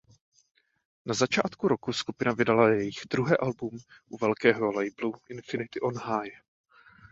Na začátku roku skupina vydala jejich druhé album u velkého labelu "Infinity On High".